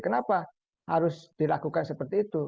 kenapa harus dilakukan seperti itu